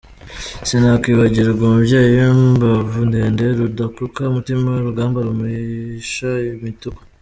Sinakwibagirwa umubyeyi w’imbavu ndende rudakuka umutima urugamba rumisha imituku!